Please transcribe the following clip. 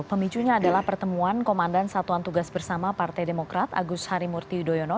pemicunya adalah pertemuan komandan satuan tugas bersama partai demokrat agus harimurti yudhoyono